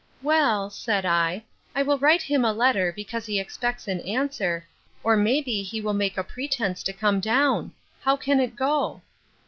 Well, said I, I will write him a letter, because he expects an answer, or may be he will make a pretence to come down. How can it go?